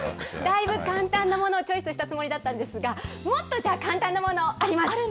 だいぶ簡単なものをチョイスしたつもりだったんですが、もっと簡単なもの、あります。